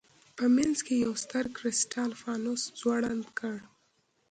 په منځ کې یې یو ستر کرسټال فانوس ځوړند کړ.